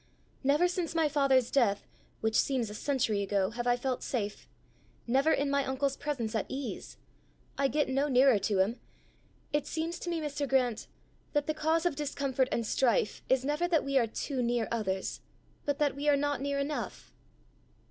Never since my father's death, which seems a century ago, have I felt safe; never in my uncle's presence at ease. I get no nearer to him. It seems to me, Mr. Grant, that the cause of discomfort and strife is never that we are too near others, but that we are not near enough."